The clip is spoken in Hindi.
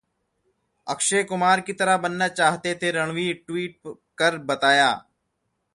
अक्षय कुमार की तरह बनना चाहते थे रणवीर, ट्वीट कर बताया